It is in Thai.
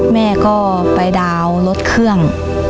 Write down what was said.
แม่ก็ไปดาวน์รถเครื่อง